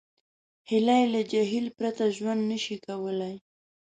هیلۍ له جهیل پرته ژوند نشي کولی